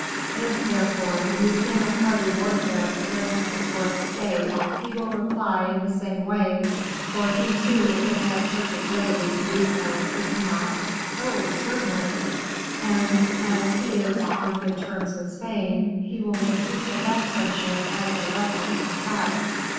"If, therefore, you begin a party warfare against M. Fouquet, he will reply in the same way; for he, too, is at perfect liberty to do so, is he not?" "Oh! certainly." "And as he is on good terms with Spain, he will make use of that friendship as a weapon of attack."